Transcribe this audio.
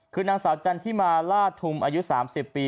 คือนางสาวกัณฑ์ที่มาลาดถุมอายุ๓๐ปี